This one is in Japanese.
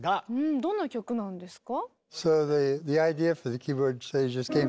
どんな曲なんですか？